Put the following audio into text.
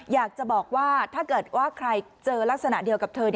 อยากจะบอกว่าถ้าเกิดว่าใครเจอลักษณะเดียวกับเธอ